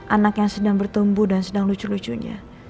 anak yang sedang bertumbuh dan sedang lucu lucunya